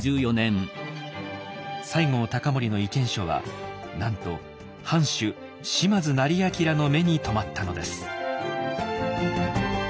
西郷隆盛の意見書はなんと藩主島津斉彬の目にとまったのです。